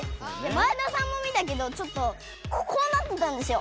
前田さんも見たけどちょっとこうなってたんですよ。